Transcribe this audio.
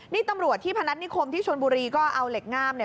นี่ตำรวจที่พนัฐนิคมที่ชนบุรีก็เอาเหล็กงามเนี่ย